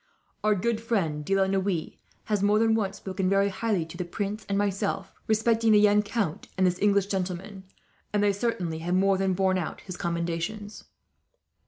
"Our good friend De la Noue has, more than once, spoken very highly to the prince and myself respecting the young count, and this young English gentleman; and they certainly have more than borne out his commendations."